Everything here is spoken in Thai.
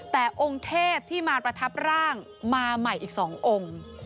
แต่องค์เทพที่มาประทับร่างมาใหม่อีก๒องค์